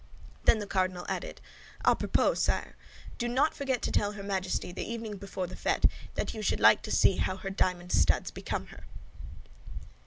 Then the cardinal added, "A propos, sire, do not forget to tell her Majesty the evening before the fête that you should like to see how her diamond studs become her."